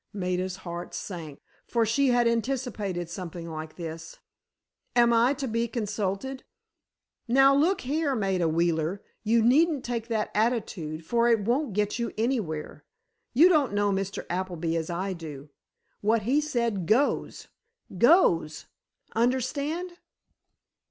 Maida's heart sank, for she had anticipated something like this. "Am I to be consulted?" "Now, look here, Maida Wheeler. You needn't take that attitude, for it won't get you anywhere. You don't know Mr. Appleby as I do. What he says goes—goes, understand?"